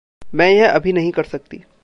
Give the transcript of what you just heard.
मैं यह अभी नहीं कर सकती।